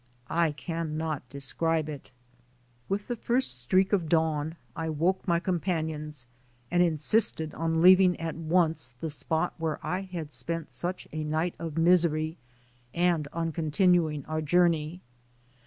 I cannot describe it. With the first streak of dawn, I woke my com panions and insisted on leaving at once the spot where I had spent such a night of misery, and on con tinuing our journey.